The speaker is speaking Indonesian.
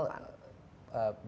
jadi banyak sekali